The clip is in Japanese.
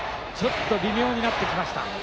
ちょっと微妙になってきました。